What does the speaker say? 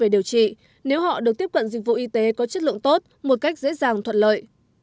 điều trị nếu họ được tiếp cận dịch vụ y tế có chất lượng tốt một cách dễ dàng thuận lợi